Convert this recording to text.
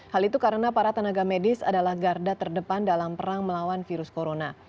hal itu karena para tenaga medis adalah garda terdepan dalam perang melawan virus corona